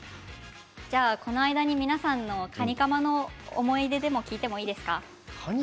この間に皆さんのカニカマの思い出を聞いてもいいですか？